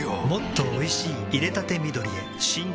もっとおいしい淹れたて緑へ新！